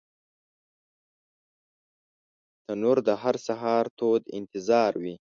تنور د هر سهار تود انتظار وي